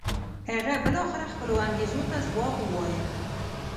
هغه بالاخره خپلو انګېزو ته ځواب و وایه.